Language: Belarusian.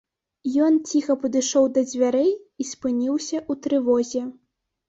Ён ціха падышоў да дзвярэй і спыніўся ў трывозе.